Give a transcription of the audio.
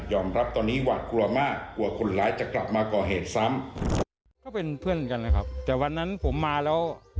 ยอมรับตอนนี้หวาดกลัวมากกลัวคนร้ายจะกลับมาก่อเหตุซ้ำ